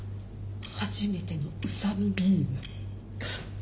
初めての宇佐見ビーム。